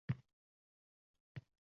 Ajal kelsa, u tinar faqat…